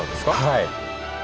はい。